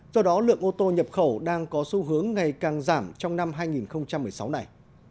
do đó lượng ô tô nhập khẩu đang có xu hướng ngày càng giảm trong năm hai nghìn một mươi sáu này